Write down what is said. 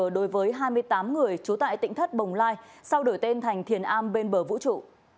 đối với hai mươi tám người trú tại tỉnh thất bồng lai sau đổi tên thành thiền a bên bờ vũ trụ